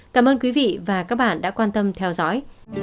cảm ơn quý vị và các bạn đã theo dõi